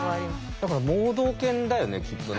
だから盲導犬だよねきっとね。